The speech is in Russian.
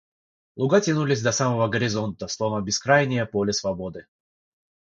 Луга тянулись до самого горизонта, словно бескрайнее поле свободы.